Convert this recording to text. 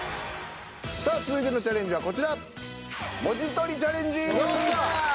さあ続いてのチャレンジはこちら。